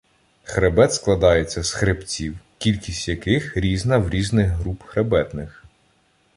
Хребет складається з хребців, кількість яких різна в різних груп хребетних.